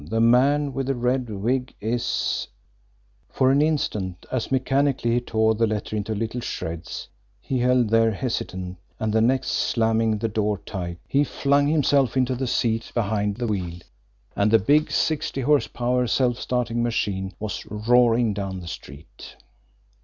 The man with the red wig is " For an instant, as mechanically he tore the letter into little shreds, he held there hesitant and the next, slamming the door tight, he flung himself into the seat behind the wheel, and the big, sixty horse power, self starting machine was roaring down the street.